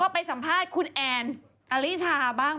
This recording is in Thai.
ไปสัมภาษณ์คุณแอนอลิชาบ้าง